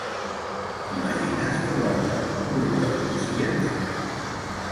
T'imagines trobar-te un grup de policies?